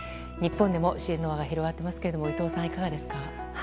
日本でも支援の輪が広がっていますが伊藤さん、いかがですか。